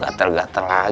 gatel gatel nih sekalian